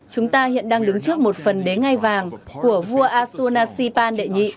chúng ta hiện đang đứng trước một phần đế ngay vàng của vua ashur nassi pan đệ nhị